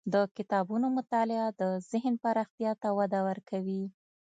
د کتابونو مطالعه د ذهن پراختیا ته وده ورکوي.